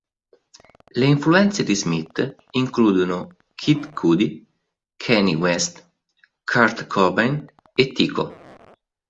Le influenze di Smith includono Kid Cudi, Kanye West, Kurt Cobain e Tycho.